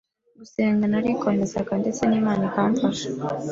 gusenga narikomezaga ndetse n’Imana ikamfasha